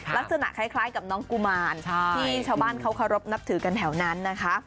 ลักษณะคล้ายกับน้องกุมารที่ชาวบ้านเขาเคารพนับถือกันแถวนั้นนะคะ